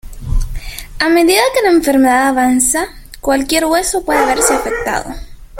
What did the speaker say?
A medida que la enfermedad avanza, cualquier hueso puede verse afectado.